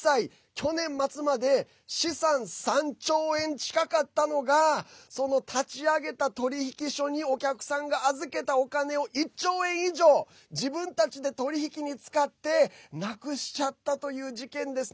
去年末まで資産３兆円近かったのがその立ち上げた取引所にお客さんが預けたお金を１兆円以上自分たちで取り引きに使ってなくしちゃったという事件です。